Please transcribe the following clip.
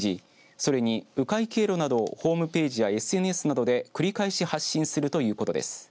それに、う回経路などをホームページやＳＮＳなどで繰り返し発信するということです。